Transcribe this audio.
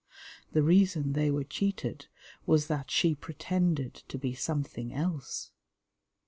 The reason they were cheated was that she pretended to be something else.